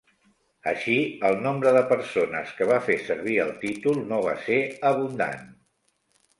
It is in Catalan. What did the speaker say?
Així, el nombre de persones que va fer servir el títol no va ser abundant.